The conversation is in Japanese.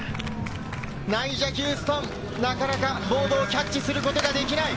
ナイジャ・ヒューストン、なかなかボードをキャッチすることができない。